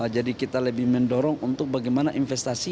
jadi kita lebih mendorong untuk bagaimana investasi